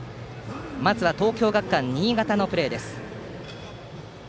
まずは東京学館新潟のプレー。